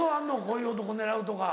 こういう男狙うとか。